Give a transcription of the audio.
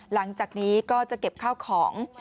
หลังจากนี้ก็จะเก็บข้าวของ